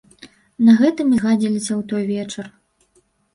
На гэтым і згадзіліся ў той вечар.